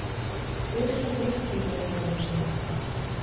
Дзе жывуць тыя думкі?